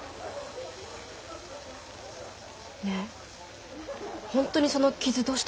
ねえホントにその傷どうしたの？